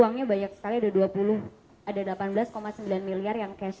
uangnya banyak sekali ada dua puluh ada delapan belas sembilan miliar yang cash